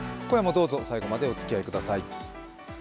今夜もどうぞ最後までおつきあいください。